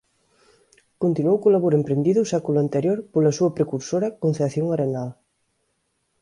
Continuou co labor emprendido o século anterior pola súa precursora Concepción Arenal.